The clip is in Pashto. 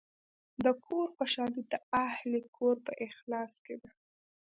د کور خوشحالي د اهلِ کور په اخلاص کې ده.